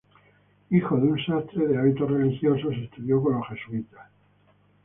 Hijo de un sastre de hábitos religiosos, estudió con los jesuitas.